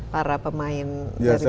para pemain dari mancantegara